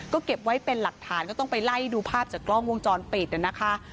ก็เก็บไว้เป็นหลักฐานก็ต้องไปไล่ดูภาพจากกล้องวงจรปิดนะคะ